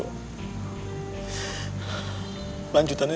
dan alex minta informasi tentang dado